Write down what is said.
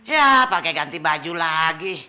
ya pakai ganti baju lagi